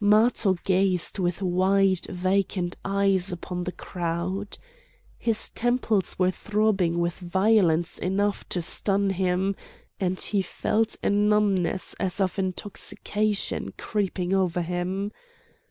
Matho gazed with wide vacant eyes upon the crowd. His temples were throbbing with violence enough to stun him, and he felt a numbness as of intoxication creeping over him.